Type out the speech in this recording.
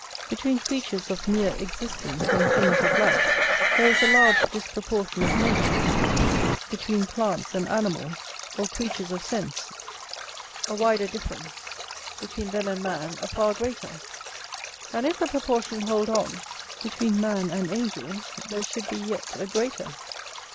Between creatures of mere existence and things of life there is a large disproportion of nature: between plants and animals, or creatures of sense, a wider difference: between them and man, a far greater: and if the proportion hold on, between man and angels there should be yet a greater.